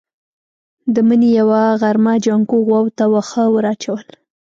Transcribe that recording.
د مني يوه غرمه جانکو غواوو ته واښه ور اچول.